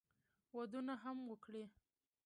ودونه هم وکړي.